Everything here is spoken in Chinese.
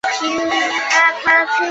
儿子是现任新北市议员邱烽尧。